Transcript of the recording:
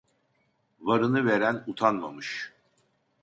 Varını veren utanmamış.